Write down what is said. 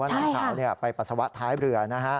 ว่านักข่าวนี้ไปปัสสาวะท้ายเรือนะครับ